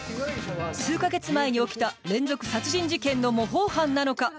数か月前に起きた連続殺人事件の模倣犯なのか？